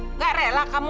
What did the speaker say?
nggak rela kamu